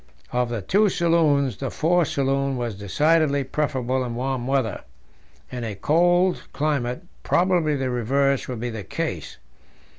Of the two saloons, the fore saloon was decidedly preferable in warm weather; in a cold climate probably the reverse would be the case.